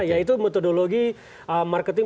ya itu metodologi marketing